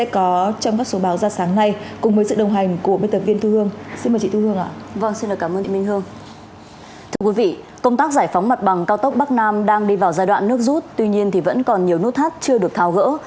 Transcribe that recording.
công tác giải phóng mặt bằng cao tốc bắc nam đang đi vào giai đoạn nước rút tuy nhiên vẫn còn nhiều nút thắt chưa được thao gỡ